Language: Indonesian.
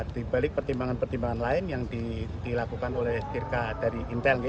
di balik pertimbangan pertimbangan lain yang dilakukan oleh tirka dari intel